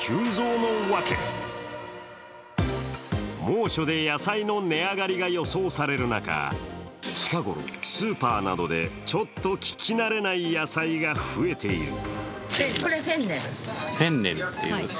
猛暑で野菜の値上がりが予想される中、近ごろ、スーパーなどでちょっと聞き慣れない野菜が増えている。